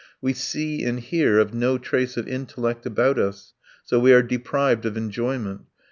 We see and hear of no trace of intellect about us, so we are deprived of enjoyment.